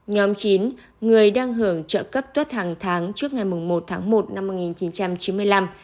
nhóm chín người đang hưởng trợ cấp tuất hàng tháng trước ngày một tháng một năm một nghìn chín trăm chín mươi năm